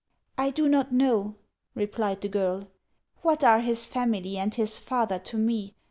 " I do not know," replied the girl. " What are his family and his father to rne